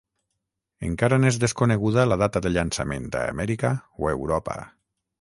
Encara n'és desconeguda la data de llançament a Amèrica o Europa.